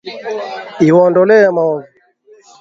Iwaondolee maovu.